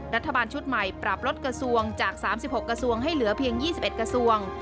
รัฐบาลชุดใหม่ปรับลดกระทรวงจาก๓๖กระทรวงให้เหลือเพียง๒๑กระทรวง